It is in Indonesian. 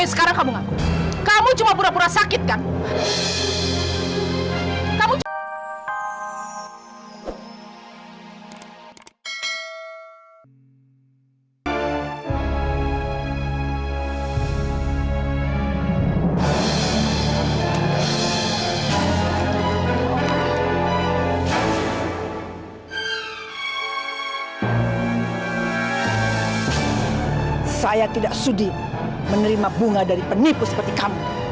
sampai jumpa di video selanjutnya